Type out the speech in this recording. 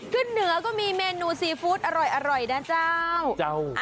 ขึ้นเหนือก็มีเมนูซีฟู้ดอร่อยนะเจ้า